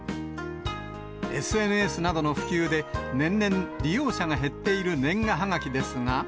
ＳＮＳなどの普及で、年々、利用者が減っている年賀はがきですが。